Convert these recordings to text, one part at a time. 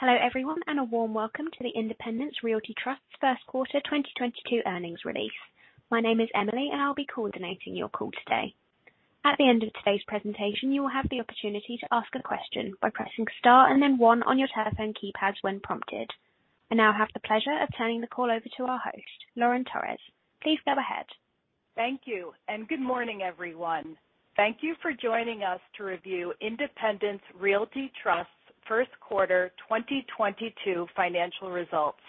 Hello everyone, and a warm welcome to the Independence Realty Trust first quarter 2022 earnings release. My name is Emily, and I'll be coordinating your call today. At the end of today's presentation, you will have the opportunity to ask a question by pressing star and then one on your telephone keypads when prompted. I now have the pleasure of turning the call over to our host, Lauren Torres. Please go ahead. Thank you, and good morning, everyone. Thank you for joining us to review Independence Realty Trust Q1 2022 financial results.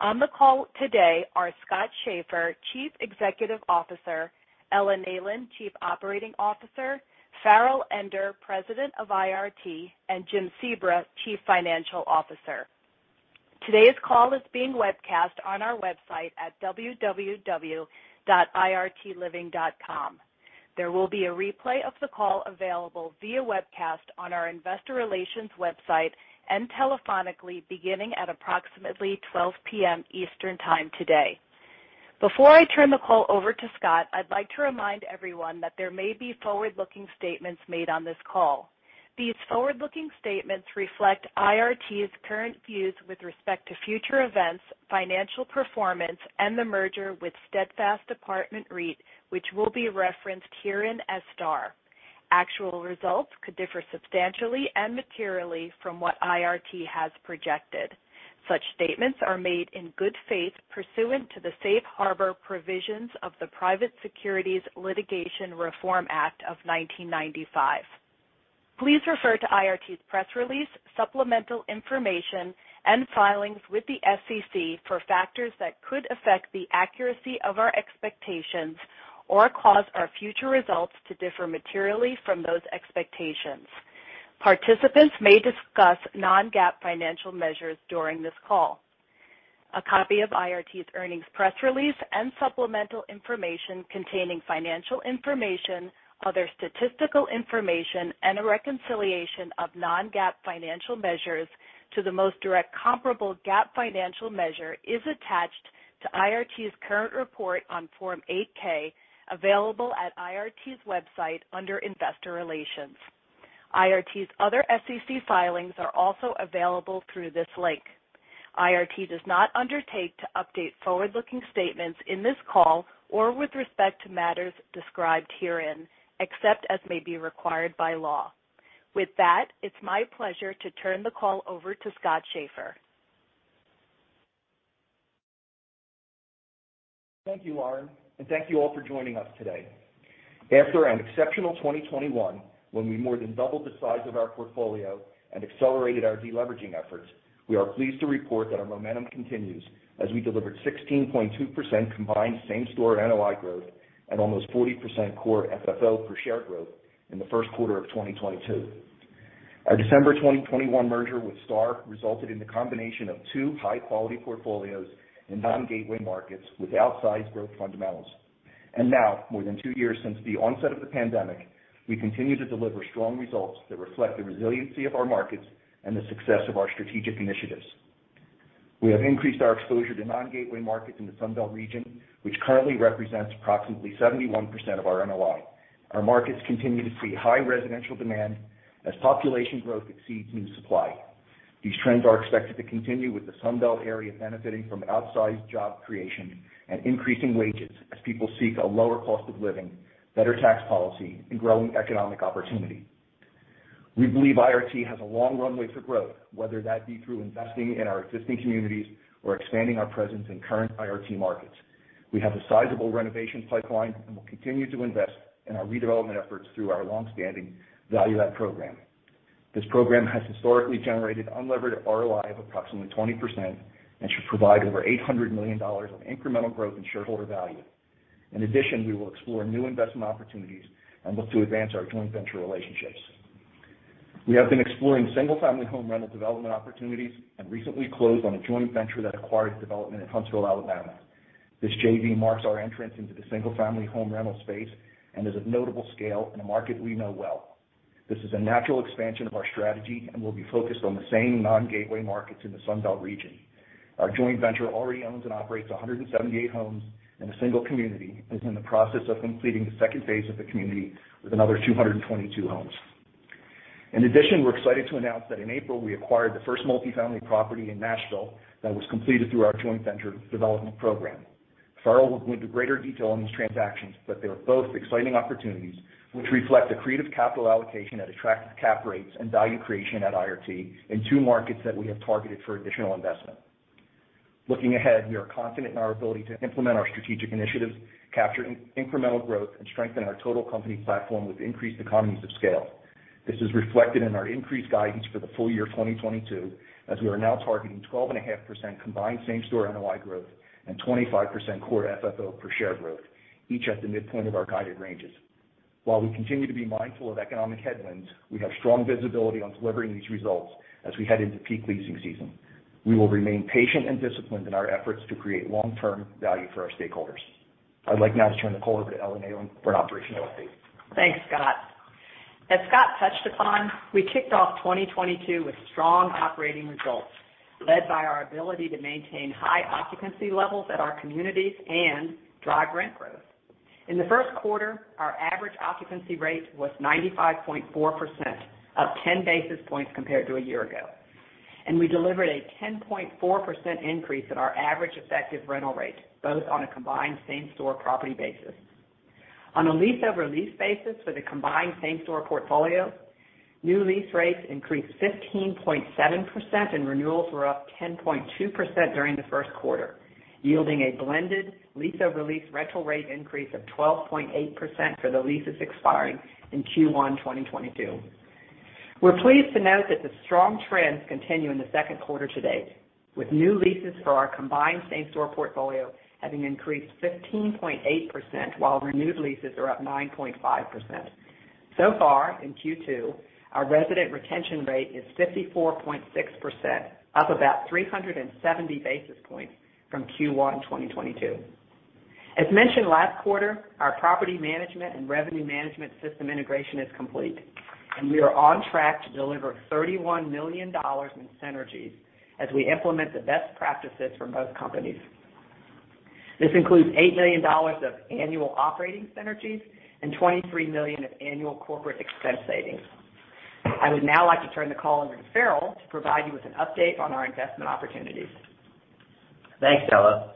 On the call today are Scott Schaeffer, Chief Executive Officer, Ella Neyland, Chief Operating Officer, Farrell Ender, President of IRT, and Jim Sebra, Chief Financial Officer. Today's call is being webcast on our website at www.irtliving.com. There will be a replay of the call available via webcast on our investor relations website and telephonically beginning at approximately 12:00 P.M. Eastern Time today. Before I turn the call over to Scott, I'd like to remind everyone that there may be forward-looking statements made on this call. These forward-looking statements reflect IRT's current views with respect to future events, financial performance, and the merger with Steadfast Apartment REIT, which will be referenced herein as STAR. Actual results could differ substantially and materially from what IRT has projected. Such statements are made in good faith pursuant to the Safe Harbor provisions of the Private Securities Litigation Reform Act of 1995. Please refer to IRT's press release, supplemental information, and filings with the SEC for factors that could affect the accuracy of our expectations or cause our future results to differ materially from those expectations. Participants may discuss non-GAAP financial measures during this call. A copy of IRT's earnings press release and supplemental information containing financial information, other statistical information, and a reconciliation of non-GAAP financial measures to the most direct comparable GAAP financial measure is attached to IRT's current report on Form 8-K, available at IRT's website under Investor Relations. IRT's other SEC filings are also available through this link. IRT does not undertake to update forward-looking statements in this call or with respect to matters described herein, except as may be required by law. With that, it's my pleasure to turn the call over to Scott Schaeffer. Thank you, Lauren, and thank you all for joining us today. After an exceptional 2021, when we more than doubled the size of our portfolio and accelerated our deleveraging efforts, we are pleased to report that our momentum continues as we delivered 16.2% combined same-store NOI growth and almost 40% core FFO per share growth in the Q1 of 2022. Our December 2021 merger with STAR resulted in the combination of two high-quality portfolios in non-gateway markets with outsized growth fundamentals. Now, more than two years since the onset of the pandemic, we continue to deliver strong results that reflect the resiliency of our markets and the success of our strategic initiatives. We have increased our exposure to non-gateway markets in the Sun Belt region, which currently represents approximately 71% of our NOI. Our markets continue to see high residential demand as population growth exceeds new supply. These trends are expected to continue, with the Sun Belt area benefiting from outsized job creation and increasing wages as people seek a lower cost of living, better tax policy, and growing economic opportunity. We believe IRT has a long runway for growth, whether that be through investing in our existing communities or expanding our presence in current IRT markets. We have a sizable renovation pipeline and will continue to invest in our redevelopment efforts through our long-standing value-add program. This program has historically generated unlevered ROI of approximately 20% and should provide over $800 million of incremental growth in shareholder value. In addition, we will explore new investment opportunities and look to advance our joint venture relationships. We have been exploring single family home rental development opportunities and recently closed on a joint venture that acquired development in Huntsville, Alabama. This JV marks our entrance into the single family home rental space and is of notable scale in a market we know well. This is a natural expansion of our strategy, and we'll be focused on the same non-gateway markets in the Sun Belt region. Our joint venture already owns and operates 178 homes in a single community and is in the process of completing the second phase of the community with another 222 homes. In addition, we're excited to announce that in April, we acquired the first multi-family property in Nashville that was completed through our joint venture development program. Farrell will go into greater detail on these transactions, but they are both exciting opportunities which reflect the creative capital allocation at attractive cap rates and value creation at IRT in two markets that we have targeted for additional investment. Looking ahead, we are confident in our ability to implement our strategic initiatives, capture incremental growth, and strengthen our total company platform with increased economies of scale. This is reflected in our increased guidance for the full year 2022, as we are now targeting 12.5% combined same-store NOI growth and 25% core FFO per share growth, each at the midpoint of our guided ranges. While we continue to be mindful of economic headwinds, we have strong visibility on delivering these results as we head into peak leasing season. We will remain patient and disciplined in our efforts to create long-term value for our stakeholders. I'd like now to turn the call over to Ella Neyland for an operational update. Thanks, Scott. As Scott touched upon, we kicked off 2022 with strong operating results led by our ability to maintain high occupancy levels at our communities and drive rent growth. In the Q1, our average occupancy rate was 95.4%, up 10 basis points compared to a year ago. We delivered a 10.4% increase in our average effective rental rate, both on a combined same-store property basis. On a lease-over-lease basis for the combined same-store portfolio, new lease rates increased 15.7% and renewals were up 10.2% during the Q1, yielding a blended lease over lease rental rate increase of 12.8% for the leases expiring in Q1, 2022. We're pleased to note that the strong trends continue in the Q2 to date, with new leases for our combined same-store portfolio having increased 15.8% while renewed leases are up 9.5%. So far, in Q2, our resident retention rate is 54.6%, up about 370 basis points from Q1 2022. As mentioned last quarter, our property management and revenue management system integration is complete, and we are on track to deliver $31 million in synergies as we implement the best practices from both companies. This includes $8 million of annual operating synergies and $23 million of annual corporate expense savings. I would now like to turn the call over to Farrell to provide you with an update on our investment opportunities. Thanks, Ella.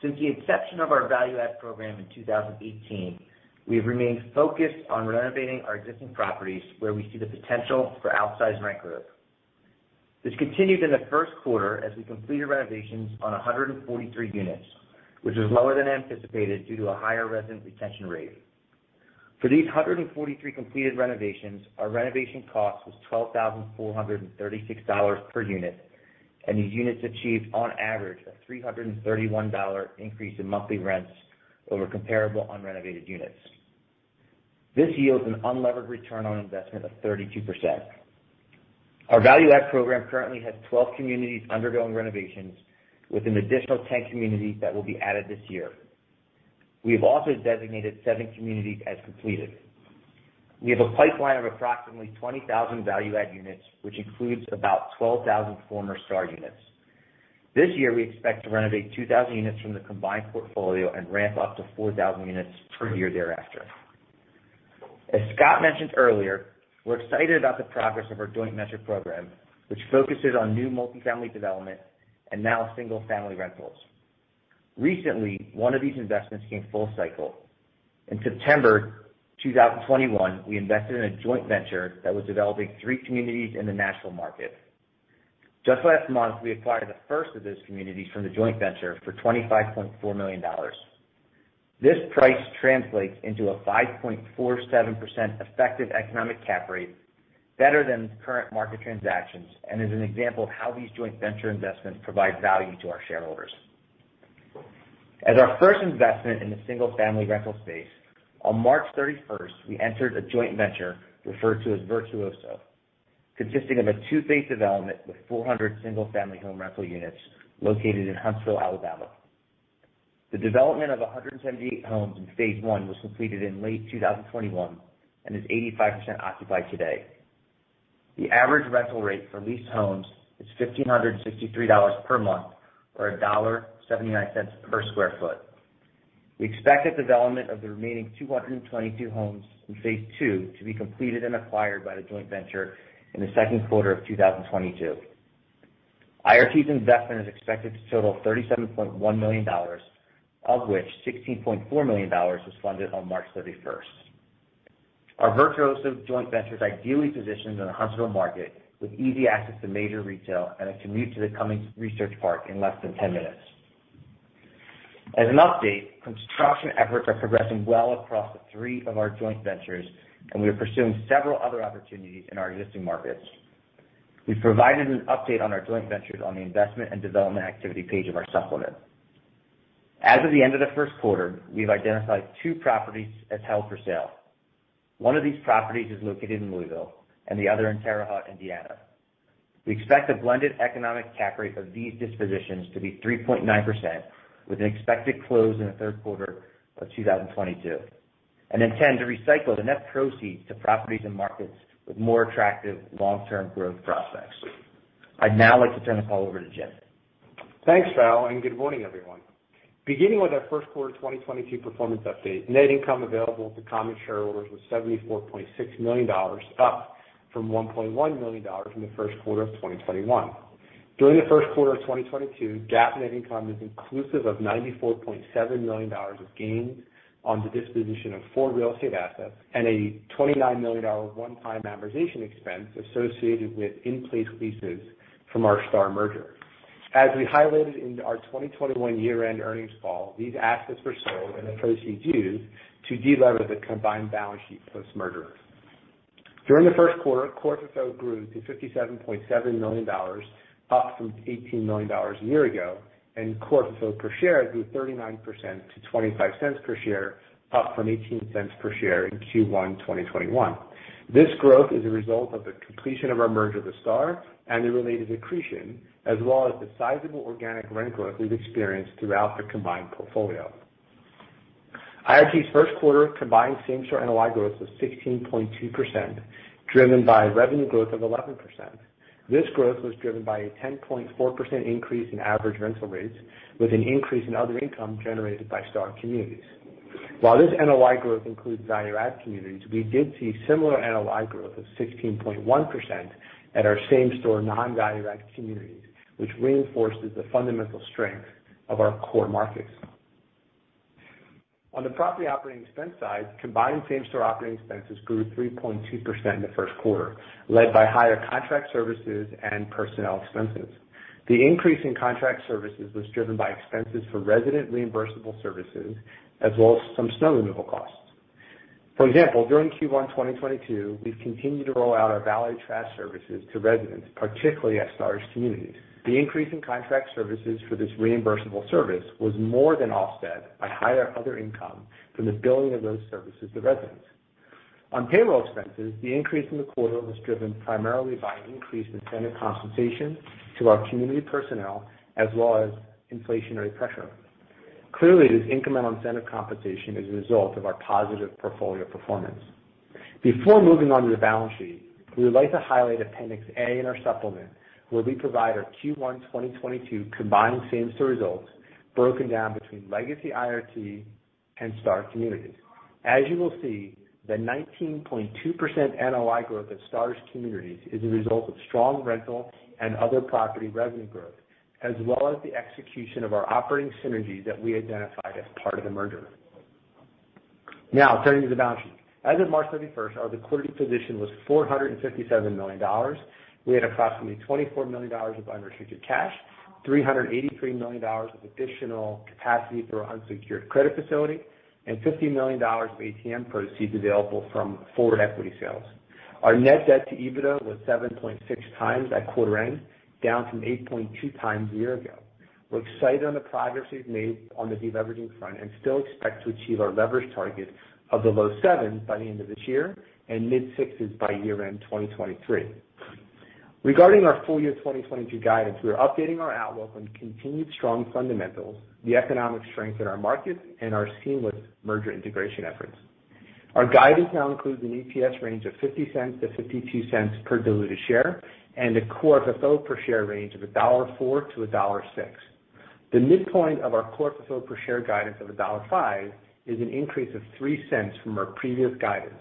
Since the inception of our value-add program in 2018, we've remained focused on renovating our existing properties where we see the potential for outsized rent growth. This continued in the Q1 as we completed renovations on 143 units, which is lower than anticipated due to a higher resident retention rate. For these 143 completed renovations, our renovation cost was $12,436 per unit, and these units achieved, on average, a $331 increase in monthly rents over comparable unrenovated units. This yields an unlevered return on investment of 32%. Our value-add program currently has 12 communities undergoing renovations with an additional 10 communities that will be added this year. We have also designated seven communities as completed. We have a pipeline of approximately 20,000 value-add units, which includes about 12,000 former STAR units. This year, we expect to renovate 2,000 units from the combined portfolio and ramp up to 4,000 units per year thereafter. As Scott mentioned earlier, we're excited about the progress of our joint venture program, which focuses on new multifamily development and now single family rentals. Recently, one of these investments came full cycle. In September 2021, we invested in a joint venture that was developing three communities in the national market. Just last month, we acquired the first of those communities from the joint venture for $25.4 million. This price translates into a 5.47% effective economic cap rate, better than current market transactions, and is an example of how these joint venture investments provide value to our shareholders. As our first investment in the single family rental space, on March 31st, 2022, we entered a joint venture referred to as Virtuoso, consisting of a two-phase development with 400 single family home rental units located in Huntsville, Alabama. The development of 178 homes in phase I was completed in late 2021 and is 85% occupied today. The average rental rate for leased homes is $1,563 per month, or $1.79 per sq ft. We expect the development of the remaining 222 homes in phase II to be completed and acquired by the joint venture in the Q2 of 2022. IRT's investment is expected to total $37.1 million, of which $16.4 million was funded on March 31st, 2022. Our Virtuoso joint venture is ideally positioned in the Huntsville market, with easy access to major retail and a commute to the Cummings Research Park in less than 10 minutes. As an update, construction efforts are progressing well across the three of our joint ventures, and we are pursuing several other opportunities in our existing markets. We've provided an update on our joint ventures on the investment and development activity page of our supplement. As of the end of theQ1, we've identified two properties as held for sale. One of these properties is located in Louisville and the other in Terre Haute, Indiana. We expect a blended economic cap rate of these dispositions to be 3.9% with an expected close in the Q3 of 2022, and intend to recycle the net proceeds to properties and markets with more attractive long-term growth prospects. I'd now like to turn the call over to Jim. Thanks, Farrell, and good morning, everyone. Beginning with our Q1 2022 performance update, net income available to common shareholders was $74.6 million, up from $1.1 million in the Q1 of 2021. During the Q1 of 2022, GAAP net income is inclusive of $94.7 million of gains on the disposition of four real estate assets and a $29 million one-time amortization expense associated with in-place leases from our STAR merger. As we highlighted in our 2021 year-end earnings call, these assets were sold and the proceeds used to de-lever the combined balance sheet post-merger. During the Q1, core FFO grew to $57.7 million, up from $18 million a year ago, and core FFO per share grew 39% to $0.25 per share, up from $0.18 per share in Q1 2021. This growth is a result of the completion of our merger with STAR and the related accretion, as well as the sizable organic rent growth we've experienced throughout the combined portfolio. IRT's Q1 combined same-store NOI growth was 16.2%, driven by revenue growth of 11%. This growth was driven by a 10.4% increase in average rental rates, with an increase in other income generated by STAR communities. While this NOI growth includes value-add communities, we did see similar NOI growth of 16.1% at our same-store non-value-add communities, which reinforces the fundamental strength of our core markets. On the property operating expense side, combined same-store operating expenses grew 3.2% in the Q1, led by higher contract services and personnel expenses. The increase in contract services was driven by expenses for resident reimbursable services as well as some snow removal costs. For example, during Q1 2022, we've continued to roll out our value-add services to residents, particularly at STAR's communities. The increase in contract services for this reimbursable service was more than offset by higher other income from the billing of those services to residents. On payroll expenses, the increase in the quarter was driven primarily by an increase in incentive compensation to our community personnel as well as inflationary pressure. Clearly, this incremental incentive compensation is a result of our positive portfolio performance. Before moving on to the balance sheet, we would like to highlight appendix A in our supplement, where we provide our Q1 2022 combined same-store results broken down between legacy IRT and STAR communities. As you will see, the 19.2% NOI growth at STAR's communities is a result of strong rental and other property revenue growth, as well as the execution of our operating synergies that we identified as part of the merger. Now turning to the balance sheet. As of March 31st, 2022, our liquidity position was $457 million. We had approximately $24 million of unrestricted cash, $383 million of additional capacity through our unsecured credit facility, and $50 million of ATM proceeds available from forward equity sales. Our net debt to EBITDA was 7.6x at quarter end, down from 8.2x a year ago. We're excited on the progress we've made on the deleveraging front and still expect to achieve our leverage target of the low 7s by the end of this year and mid-6s by year-end 2023. Regarding our full year 2022 guidance, we are updating our outlook on continued strong fundamentals, the economic strength in our markets and our seamless merger integration efforts. Our guidance now includes an EPS range of $0.50-$0.52 per diluted share, and a core FFO per share range of $1.04-$1.06. The midpoint of our core FFO per share guidance of $1.05 is an increase of $0.03 from our previous guidance.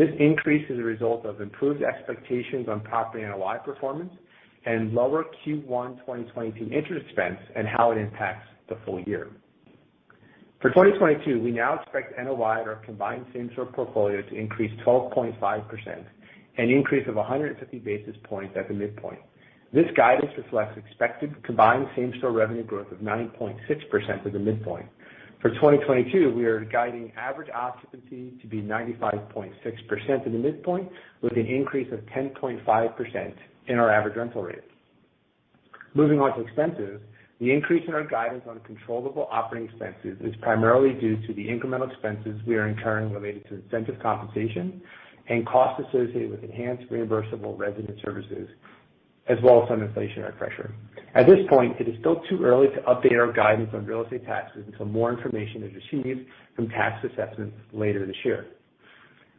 This increase is a result of improved expectations on property NOI performance and lower Q1 2022 interest expense and how it impacts the full year. For 2022, we now expect NOI at our combined same-store portfolio to increase 12.5%, an increase of 150 basis points at the midpoint. This guidance reflects expected combined same-store revenue growth of 9.6% at the midpoint. For 2022, we are guiding average occupancy to be 95.6% in the midpoint, with an increase of 10.5% in our average rental rate. Moving on to expenses. The increase in our guidance on controllable operating expenses is primarily due to the incremental expenses we are incurring related to incentive compensation and costs associated with enhanced reimbursable resident services, as well as some inflationary pressure. At this point, it is still too early to update our guidance on real estate taxes until more information is received from tax assessments later this year.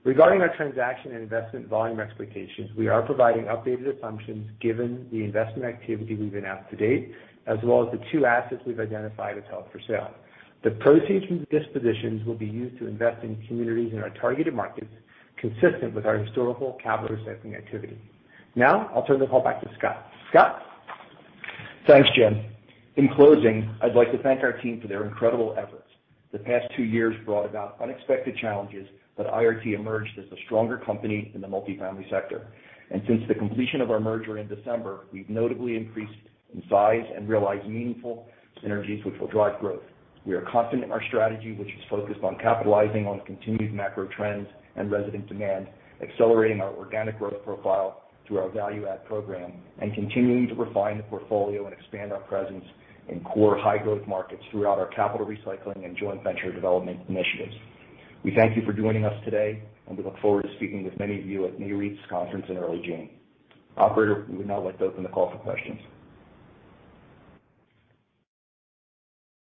Regarding our transaction and investment volume expectations, we are providing updated assumptions given the investment activity we've announced to date, as well as the two assets we've identified as held for sale. The proceeds from the dispositions will be used to invest in communities in our targeted markets, consistent with our historical capital recycling activity. Now I'll turn the call back to Scott. Scott? Thanks, Jim. In closing, I'd like to thank our team for their incredible efforts. The past two years brought about unexpected challenges, but IRT emerged as a stronger company in the multifamily sector. Since the completion of our merger in December, we've notably increased in size and realized meaningful synergies which will drive growth. We are confident in our strategy, which is focused on capitalizing on continued macro trends and resident demand, accelerating our organic growth profile through our value-add program, and continuing to refine the portfolio and expand our presence in core high growth markets throughout our capital recycling and joint venture development initiatives. We thank you for joining us today, and we look forward to speaking with many of you at Nareit’s Conference in early June. Operator, we would now like to open the call for questions.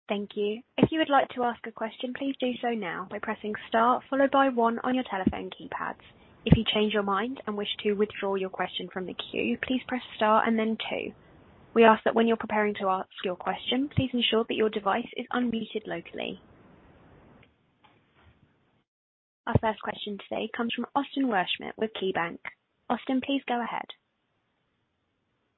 Thank you. If you would like to ask a question, please do so now by pressing star followed by one on your telephone keypads. If you change your mind and wish to withdraw your question from the queue, please press star and then two. We ask that when you're preparing to ask your question, please ensure that your device is unmuted locally. Our first question today comes from Austin Wurschmidt with KeyBanc. Austin, please go ahead.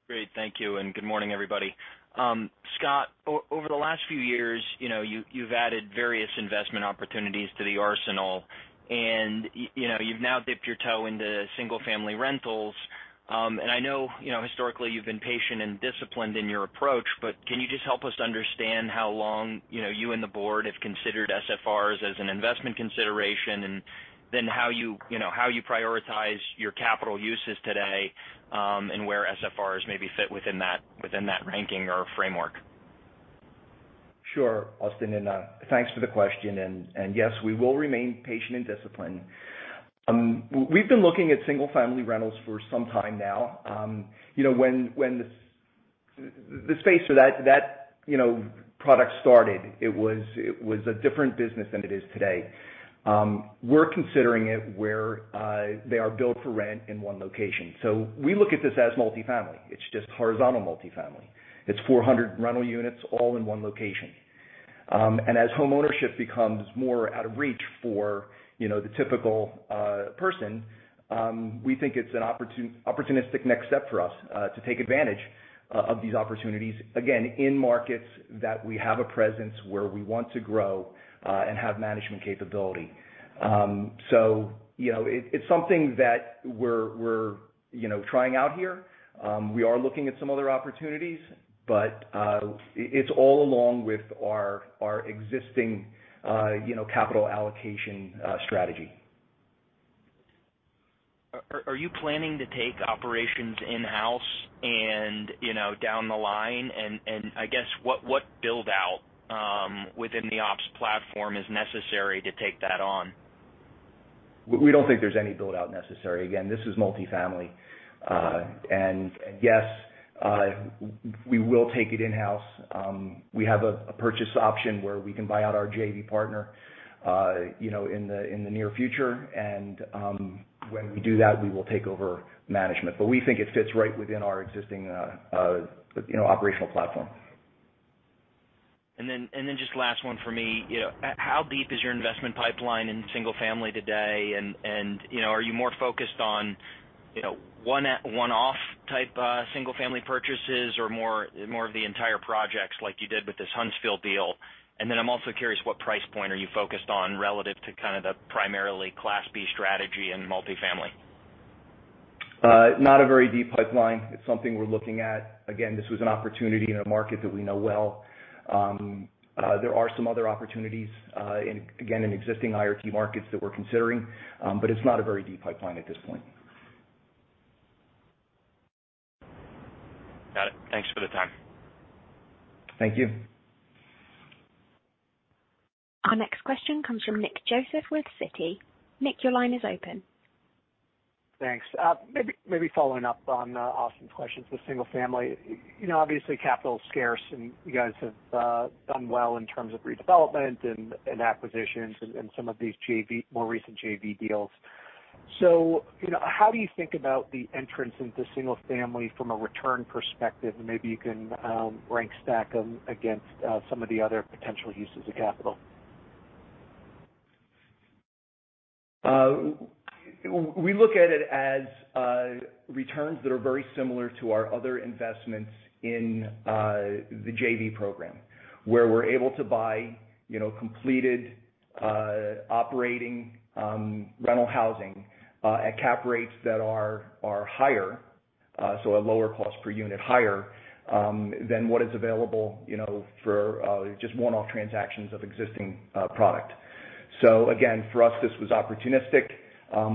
Great. Thank you and good morning, everybody. Scott, over the last few years, you know, you've added various investment opportunities to the arsenal. You know, you've now dipped your toe into single family rentals. I know, you know, historically you've been patient and disciplined in your approach, but can you just help us understand how long, you know, you and the board have considered SFRs as an investment consideration? Then how you know, how you prioritize your capital uses today, and where SFRs maybe fit within that ranking or framework? Sure, Austin, thanks for the question. Yes, we will remain patient and disciplined. We've been looking at single family rentals for some time now. You know, when the, the space for that, you know, product started, it was a different business than it is today. We're considering it where they are built for rent in one location. We look at this as multifamily. It's just horizontal multifamily. It's 400 rental units all in one location. And as homeownership becomes more out of reach for, you know, the typical person, we think it's an opportunistic next step for us to take advantage of these opportunities, again, in markets that we have a presence, where we want to grow and have management capability. You know, it's something that we're trying out here. We are looking at some other opportunities, but it's all along with our existing capital allocation strategy. Are you planning to take operations in-house and, you know, down the line and I guess what build out within the ops platform is necessary to take that on? We don't think there's any build out necessary. Again, this is multifamily. Yes, we will take it in-house. We have a purchase option where we can buy out our JV partner, you know, in the near future. When we do that, we will take over management. We think it fits right within our existing, you know, operational platform. Just last one for me. How deep is your investment pipeline in single family today? Are you more focused on one-off type single family purchases or more of the entire projects like you did with this Huntsville deal? I'm also curious what price point are you focused on relative to kind of the primarily Class B strategy in multifamily? Not a very deep pipeline. It's something we're looking at. Again, this was an opportunity in a market that we know well. There are some other opportunities in again in existing IRT markets that we're considering. It's not a very deep pipeline at this point. Got it. Thanks for the time. Thank you. Our next question comes from Nick Joseph with Citi. Nick, your line is open. Thanks. Maybe following up on Austin's questions with single family. You know, obviously capital is scarce and you guys have done well in terms of redevelopment and acquisitions and some of these more recent JV deals. You know, how do you think about the entrance into single family from a return perspective? Maybe you can stack rank them against some of the other potential uses of capital. We look at it as returns that are very similar to our other investments in the JV program. We're able to buy, you know, completed operating rental housing at cap rates that are higher, so a lower cost per unit, higher than what is available, you know, for just one-off transactions of existing product. Again, for us, this was opportunistic.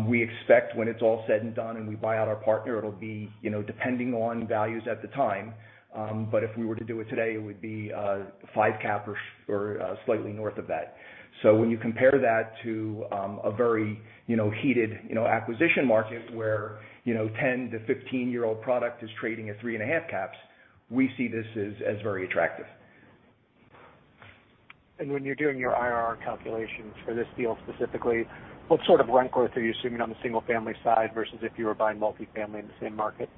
We expect when it's all said and done and we buy out our partner, it'll be, you know, depending on values at the time. If we were to do it today, it would be 5 cap or slightly north of that. When you compare that to a very, you know, heated, you know, acquisition market where, you know, 10-15-year-old product is trading at 3.5 caps, we see this as very attractive. When you're doing your IRR calculations for this deal specifically, what sort of rent growth are you assuming on the single family side versus if you were buying multifamily in the same market?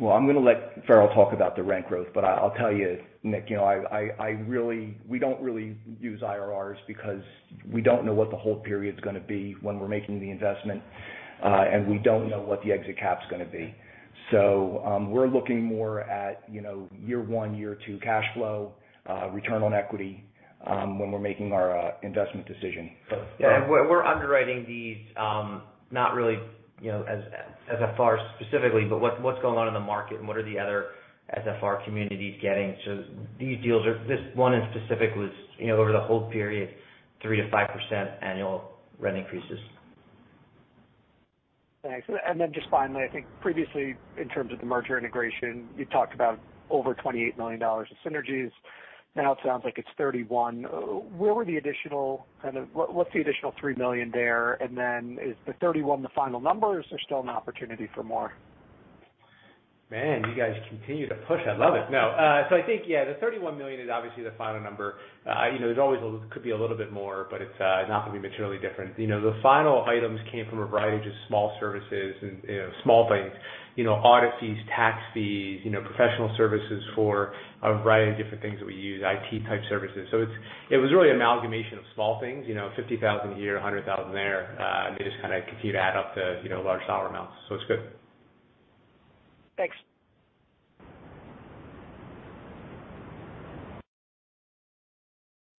Well, I'm gonna let Farrell talk about the rent growth, but I'll tell you, Nick, you know, we don't really use IRRs because we don't know what the hold period's gonna be when we're making the investment, and we don't know what the exit cap's gonna be. We're looking more at, you know, year one, year two cash flow, return on equity, when we're making our investment decision. Yeah. We're underwriting these, not really, you know, as far specifically, but what's going on in the market and what are the other SFR communities getting. These deals are. This one in specific was, you know, over the hold period, 3%-5% annual rent increases. Thanks. Just finally, I think previously in terms of the merger integration, you talked about over $28 million of synergies. Now it sounds like it's $31 million. Where were the additional? What's the additional $3 million there? Is the $31 million the final number or is there still an opportunity for more? Man, you guys continue to push. I love it. No. I think, yeah, the $31 million is obviously the final number. You know, there's always a little, could be a little bit more, but it's not gonna be materially different. You know, the final items came from a variety of just small services and, you know, small things. You know, audit fees, tax fees, you know, professional services for a variety of different things that we use, IT type services. It's, it was really amalgamation of small things. You know, $50,000 here, $100,000 there, and they just kind of continue to add up to, you know, large dollar amounts. It's good. Thanks.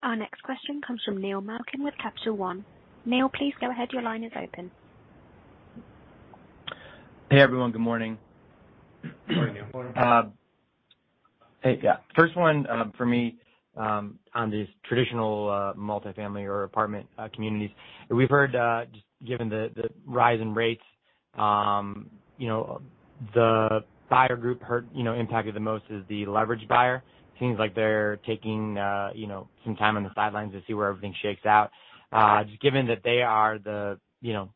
Our next question comes from Neil Malkin with Capital One. Neil, please go ahead. Your line is open. Hey, everyone. Good morning. Morning, Neil. Morning. Hey. Yeah. First one for me on these traditional multifamily or apartment communities. We've heard, just given the rise in rates, you know, the buyer group hurt, you know, impacted the most is the leverage buyer. Seems like they're taking, you know, some time on the sidelines to see where everything shakes out. Just given that they are the, you know,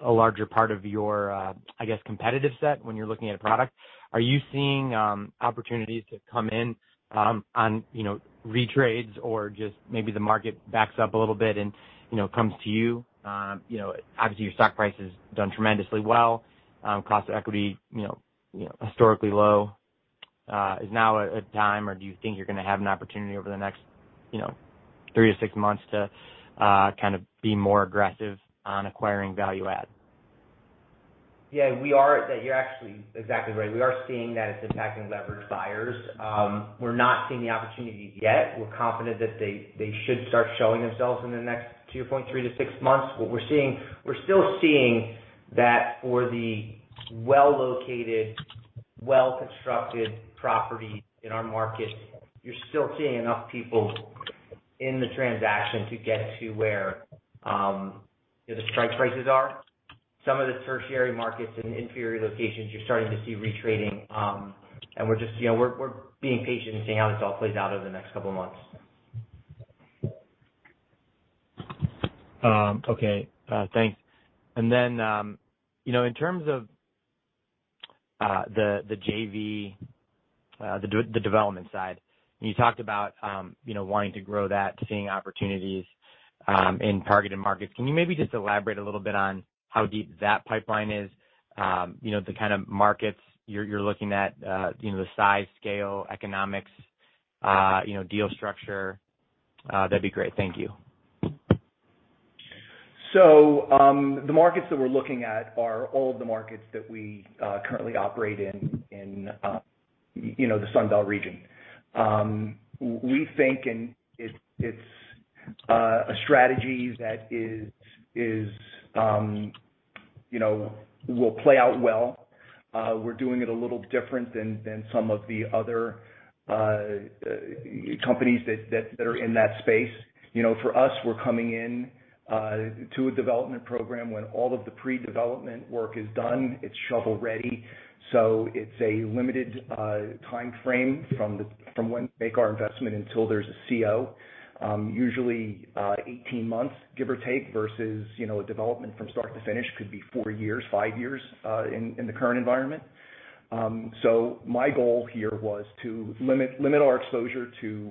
a larger part of your, I guess, competitive set when you're looking at a product. Are you seeing opportunities to come in, on, you know, retrades or just maybe the market backs up a little bit and, you know, comes to you? You know, obviously, your stock price has done tremendously well. Cost of equity, you know, historically low. Is now a time or do you think you're gonna have an opportunity over the next, you know, three months to six months to kind of be more aggressive on acquiring value-add? Yeah, that's exactly right. We are seeing that it's impacting leverage buyers. We're not seeing the opportunities yet. We're confident that they should start showing themselves in the next two months, three months to six months. What we're seeing. We're still seeing that for the well-located, well-constructed properties in our market, you're still seeing enough people in the transaction to get to where, you know, the strike prices are. Some of the tertiary markets and inferior locations, you're starting to see retrading. We're just, you know, we're being patient and seeing how this all plays out over the next couple of months. Okay. Thanks. You know, in terms of the JV, the development side, you talked about wanting to grow that to seeing opportunities in targeted markets. Can you maybe just elaborate a little bit on how deep that pipeline is? You know, the kind of markets you're looking at, you know, the size, scale, economics, you know, deal structure, that'd be great. Thank you. The markets that we're looking at are all the markets that we currently operate in, you know, the Sun Belt region. We think it's a strategy that is, you know, will play out well. We're doing it a little different than some of the other companies that are in that space. You know, for us, we're coming in to a development program when all of the pre-development work is done, it's shovel ready. It's a limited timeframe from when we make our investment until there's a CO. Usually, 18 months, give or take, versus, you know, a development from start to finish could be four years, five years in the current environment. My goal here was to limit our exposure to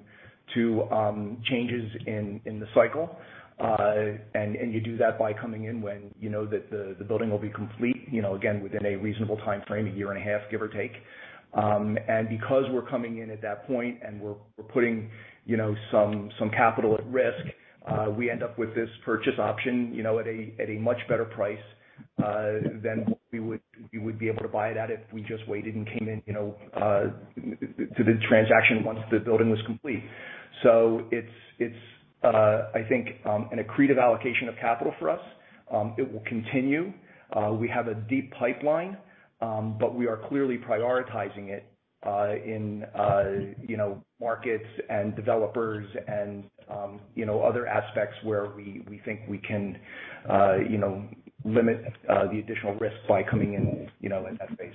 changes in the cycle. You do that by coming in when you know that the building will be complete, you know, again, within a reasonable timeframe, a year and a half, give or take. Because we're coming in at that point and we're putting, you know, some capital at risk, we end up with this purchase option, you know, at a much better price than we would be able to buy it at if we just waited and came in, you know, to the transaction once the building was complete. It's, I think, an accretive allocation of capital for us. It will continue. We have a deep pipeline, but we are clearly prioritizing it in you know, markets and developers and you know, other aspects where we think we can you know, limit the additional risk by coming in you know, in that space.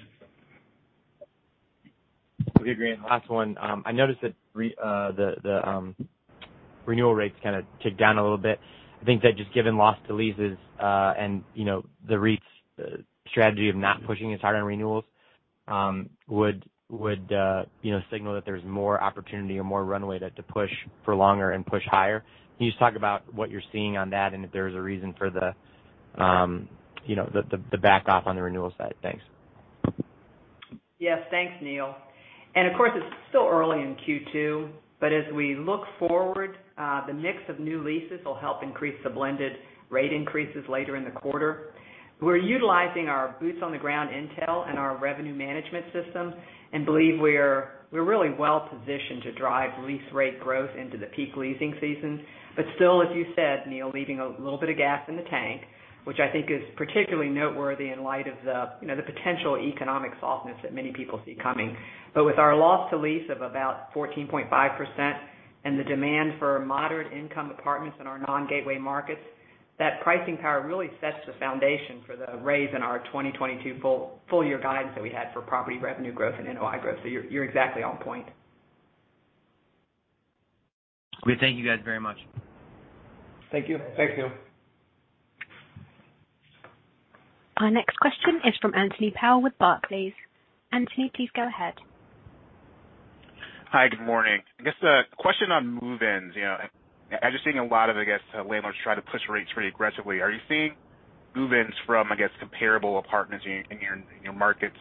Okay, great. Last one. I noticed that the renewal rates kinda ticked down a little bit. I think that just given loss to lease, and, you know, the REIT's strategy of not pushing as hard on renewals, would, you know, signal that there's more opportunity or more runway that to push for longer and push higher. Can you just talk about what you're seeing on that, and if there's a reason for the, you know, the back off on the renewal side? Thanks. Yes. Thanks, Neil. Of course, it's still early in Q2, but as we look forward, the mix of new leases will help increase the blended rate increases later in the quarter. We're utilizing our boots on the ground intel and our revenue management system and believe we're really well-positioned to drive lease rate growth into the peak leasing season. Still, as you said, Neil, leaving a little bit of gas in the tank, which I think is particularly noteworthy in light of the, you know, the potential economic softness that many people see coming. With our loss to lease of about 14.5% and the demand for moderate income apartments in our non-gateway markets, that pricing power really sets the foundation for the raise in our 2022 full year guidance that we had for property revenue growth and NOI growth. You're exactly on point. We thank you guys very much. Thank you. Thanks, Neil. Our next question is from Anthony Powell with Barclays. Anthony, please go ahead. Hi, good morning. I guess the question on move-ins, you know, I'm just seeing a lot of, I guess, landlords try to push rates really aggressively. Are you seeing move-ins from, I guess, comparable apartments in your markets?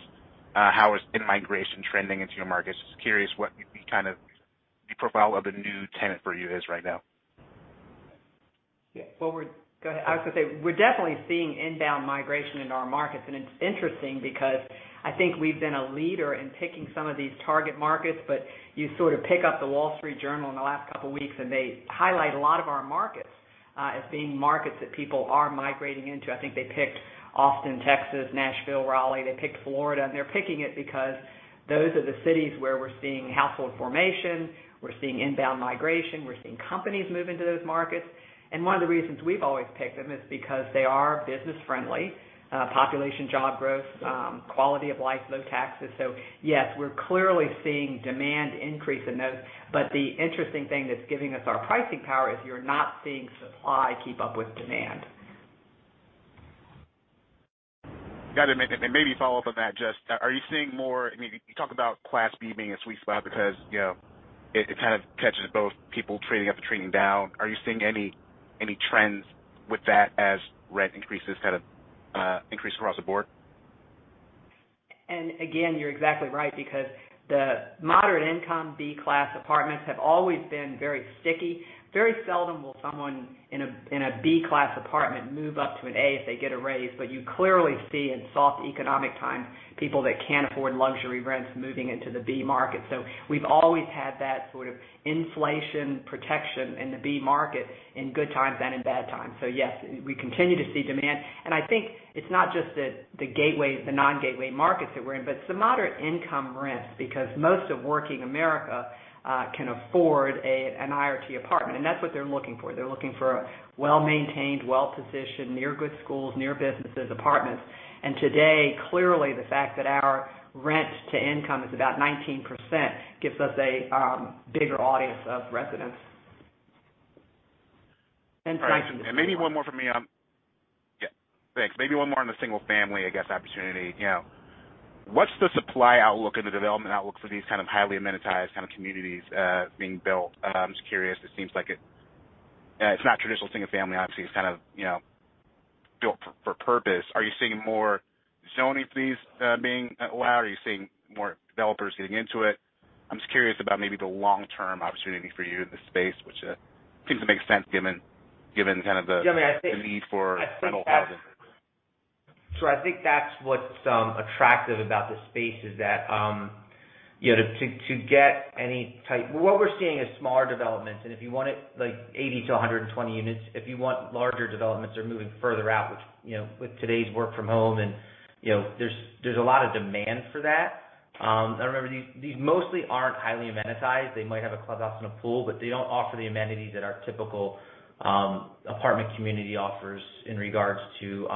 How is in-migration trending into your markets? Just curious what would be kind of the profile of the new tenant for you is right now. Yeah. Well, go ahead. I was gonna say, we're definitely seeing inbound migration into our markets. It's interesting because I think we've been a leader in picking some of these target markets, but you sort of pick up The Wall Street Journal in the last couple of weeks, and they highlight a lot of our markets as being markets that people are migrating into. I think they picked Austin, Texas, Nashville, Raleigh, they picked Florida, and they're picking it because those are the cities where we're seeing household formation, we're seeing inbound migration, we're seeing companies move into those markets. One of the reasons we've always picked them is because they are business-friendly, population job growth, quality of life, low taxes. Yes, we're clearly seeing demand increase in those. The interesting thing that's giving us our pricing power is you're not seeing supply keep up with demand. Got it. Maybe follow up on that, just are you seeing more? I mean, you talk about Class B being a sweet spot because, you know, it kind of catches both people trading up and trading down. Are you seeing any trends with that as rent increases kind of increase across the board? Again, you're exactly right because the moderate-income Class B apartments have always been very sticky. Very seldom will someone in a Class B apartment move up to a Class A if they get a raise. You clearly see in soft economic times people that can't afford luxury rents moving into the B market. We've always had that sort of inflation protection in the B market in good times and in bad times. Yes, we continue to see demand. I think it's not just that the gateway, the non-gateway markets that we're in, but it's the moderate-income rents, because most of working America can afford an IRT apartment, and that's what they're looking for. They're looking for well-maintained, well-positioned, near good schools, near businesses, apartments. Today, clearly, the fact that our rent to income is about 19% gives us a bigger audience of residents. All right. Maybe one more from me. Yeah, thanks. Maybe one more on the single family, I guess, opportunity. You know, what's the supply outlook and the development outlook for these kind of highly amenitized kind of communities being built? I'm just curious. It seems like it's not traditional single family, obviously. It's kind of, you know, built for purpose. Are you seeing more zoning for these being allowed? Are you seeing more developers getting into it? I'm just curious about maybe the long-term opportunity for you in this space, which seems to make sense given kind of. Yeah, I mean, I think. The need for rental housing. I think that's what's attractive about this space is that, you know, what we're seeing is smaller developments, and if you want like 80-120 units, if you want larger developments are moving further out, which, you know, with today's work from home and, you know, there's a lot of demand for that. I remember these mostly aren't highly amenitized. They might have a clubhouse and a pool, but they don't offer the amenities that our typical apartment community offers in regards to,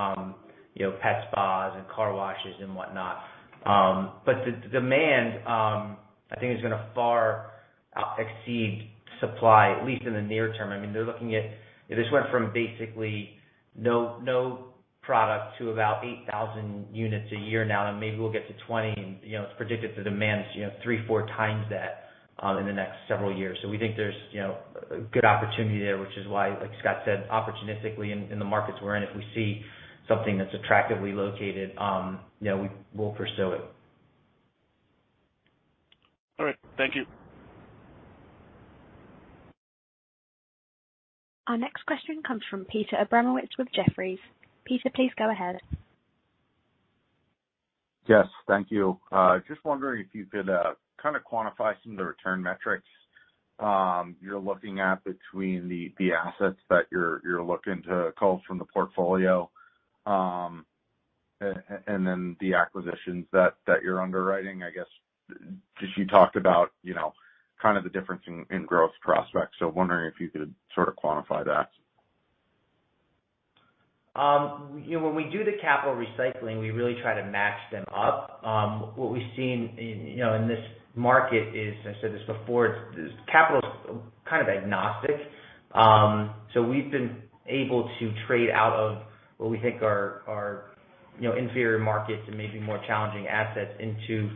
you know, pet spas and car washes and whatnot. But the demand I think is gonna far exceed supply, at least in the near term. I mean, they're looking at. This went from basically no product to about 8,000 units a year now, and maybe we'll get to 20,000 units. You know, it's predicted the demand is, you know, three, four times that, in the next several years. We think there's, you know, a good opportunity there, which is why, like Scott said, opportunistically in the markets we're in, if we see something that's attractively located, you know, we will pursue it. All right. Thank you. Our next question comes from Peter Abramowitz with Jefferies. Peter, please go ahead. Yes. Thank you. Just wondering if you could kind of quantify some of the return metrics you're looking at between the assets that you're looking to cull from the portfolio, and then the acquisitions that you're underwriting. I guess, because you talked about, you know, kind of the difference in growth prospects. Wondering if you could sort of quantify that? You know, when we do the capital recycling, we really try to match them up. What we've seen in, you know, in this market is, I said this before, it's capital's kind of agnostic. We've been able to trade out of what we think are, you know, inferior markets and maybe more challenging assets into,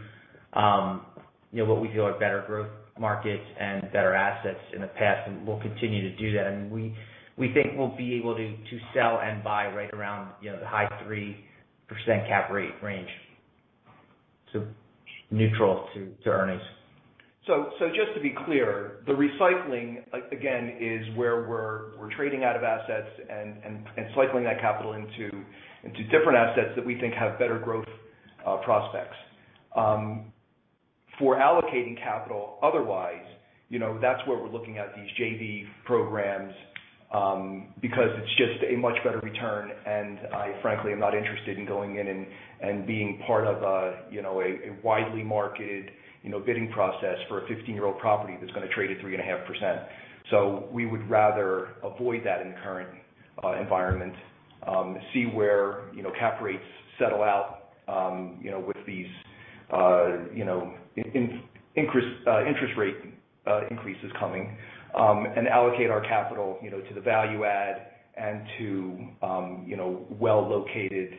you know, what we feel are better growth markets and better assets in the past. We'll continue to do that. We think we'll be able to sell and buy right around, you know, the high 3% cap rate range. Neutral to earnings. Just to be clear, the recycling, like again, is where we're trading out of assets and cycling that capital into different assets that we think have better growth prospects. For allocating capital otherwise, you know, that's where we're looking at these JV programs, because it's just a much better return, and I frankly am not interested in going in and being part of a, you know, a widely marketed, you know, bidding process for a 15-year-old property that's gonna trade at 3.5%. We would rather avoid that in the current environment, see where, you know, cap rates settle out, you know, with these, you know, interest rate increases coming, and allocate our capital, you know, to the value-add and to, you know, well-located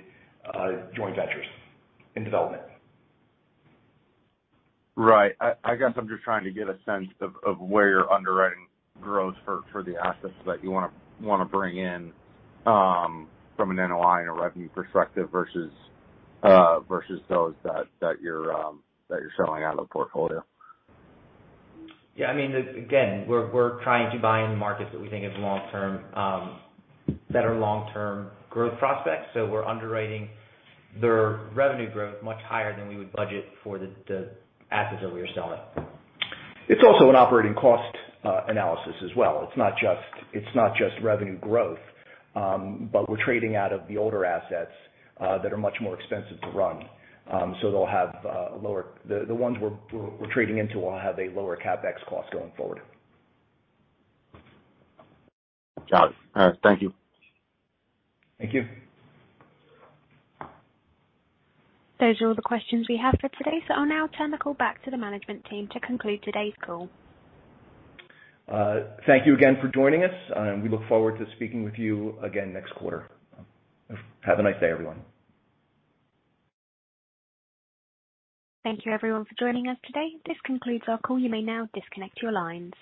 joint ventures in development. Right. I guess I'm just trying to get a sense of where you're underwriting growth for the assets that you wanna bring in from an NOI and a revenue perspective versus those that you're selling out of portfolio. Yeah. I mean, again, we're trying to buy in markets that we think is long term, better long-term growth prospects. We're underwriting their revenue growth much higher than we would budget for the assets that we are selling. It's also an operating cost analysis as well. It's not just revenue growth, but we're trading out of the older assets that are much more expensive to run. The ones we're trading into will have a lower CapEx cost going forward. Got it. Thank you. Thank you. Those are all the questions we have for today. I'll now turn the call back to the management team to conclude today's call. Thank you again for joining us. We look forward to speaking with you again next quarter. Have a nice day, everyone. Thank you everyone for joining us today. This concludes our call. You may now disconnect your lines.